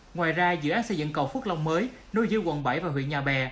ngoài ra dự án xây dựng cầu phước long mới nối giữa quận bảy và huyện nhà bè